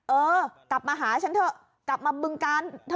เออกลับมาหาฉันเถอะกลับมาบึงการเถ